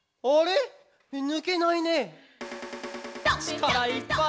ちからいっぱい！